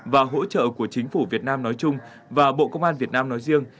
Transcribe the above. và hỗ trợ của chính phủ việt nam nói chung và bộ công an việt nam nói riêng